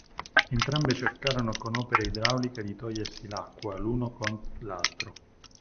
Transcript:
Entrambe cercarono con opere idrauliche di togliersi l'acqua l'uno con l'altro.